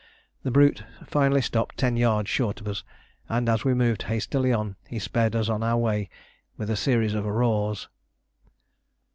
The brute finally stopped ten yards short of us, and as we moved hastily on he sped us on our way with a series of roars.